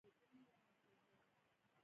که تاسو يئ او موږ يو نو هيڅ به نه کېږي